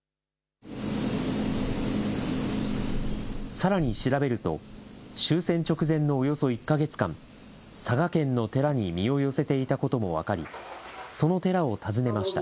さらに調べると、終戦直前のおよそ１か月間、佐賀県の寺に身を寄せていたことも分かり、その寺を訪ねました。